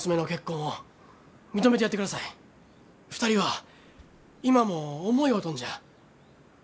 ２人は今も思い合うとんじゃ。